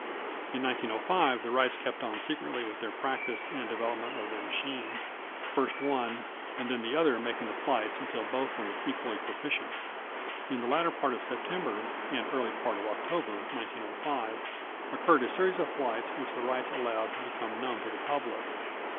In 1905, the Wrights kept on secretly with their practice and development of their machine, first one and then the other making the flights until both were equally proficient. In the latter part of September and early part of October, 1905, occurred a series of flights which the Wrights allowed to become known to the public.